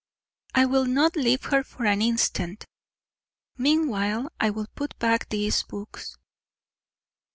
"I will not leave her for an instant." "Meanwhile, I will put back these books."